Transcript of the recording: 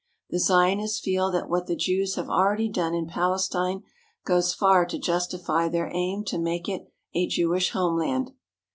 The Zionists feel that what the Jews have already done in Palestine goes far to justify their aim to make it a Jewish homeland.